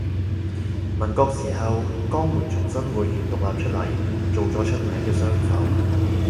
民國時候江門從新會縣獨立出嚟做咗出名嘅商埠